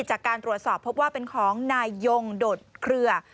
จากการตรวจสอบพบว่าเป็นของนายยงโดดเคลือ